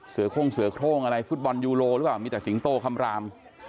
เสือโค่งอะไรฟุตบอลยูโรหรือวะมีแต่สิงโตคำราม